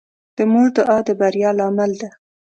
د مور دعا د بریا لامل ده.